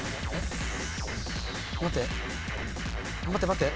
待って。